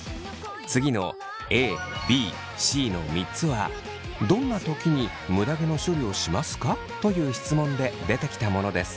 次のＡＢＣの３つは「どんな時にむだ毛の処理をしますか？」という質問で出てきたものです。